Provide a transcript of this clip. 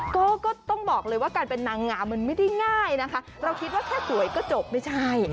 ก็ต้องบอกเลยว่าการเป็นนางงามมันไม่ได้ง่ายนะคะเราคิดว่าถ้าสวยก็จบไม่ใช่